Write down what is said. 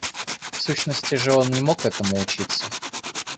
В сущности же он не мог этому учиться.